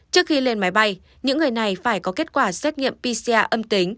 trước khi lên máy bay những người này phải có kết quả xét nghiệm pcr âm tính